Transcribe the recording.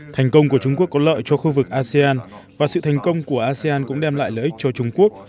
thành công của trung quốc có lợi cho khu vực asean và sự thành công của asean cũng đem lại lợi ích cho trung quốc